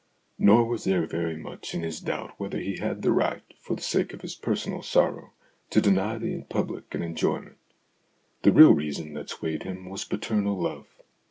Nor was there very much in his doubt whether he had the right, for the sake of his personal sorrow, to deny the public an enjoyment. The real reason that swayed him was paternal love.